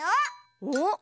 おっ！